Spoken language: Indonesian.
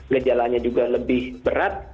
gejalanya juga lebih berat